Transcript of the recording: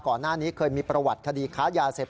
ก่อนหน้านี้เคยมีประวัติคดีค้ายาเสพ